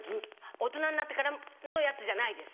大人になってからのやつじゃないです。